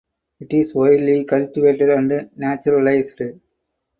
It is widely cultivated and naturalized.